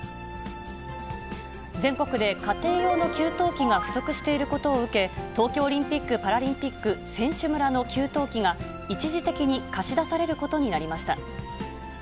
全国で家庭用の給湯器が不足していることを受け、東京オリンピック・パラリンピック選手村の給湯器が、一時的に貸し出されることになりました。